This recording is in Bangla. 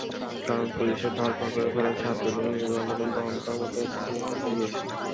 কারণ, পুলিশের ধরপাকড়ের ফলে ছাত্রদের মূল আন্দোলন তখনকার মতো স্তিমিত হয়ে গিয়েছিল।